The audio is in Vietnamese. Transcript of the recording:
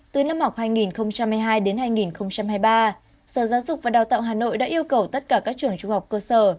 từ năm học hai nghìn hai mươi hai đến hai nghìn hai mươi ba sở giáo dục và đào tạo hà nội đã yêu cầu tất cả các trường trung học cơ sở